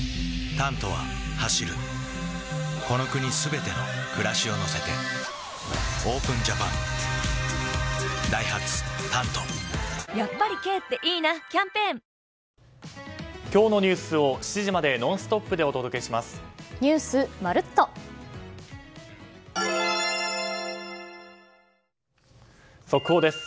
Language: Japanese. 「タント」は走るこの国すべての暮らしを乗せてＯＰＥＮＪＡＰＡＮダイハツ「タント」やっぱり軽っていいなキャンペーン速報です。